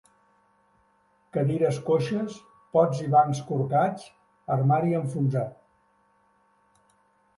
Cadires coixes, pots i bancs corcats, armari enfonsat.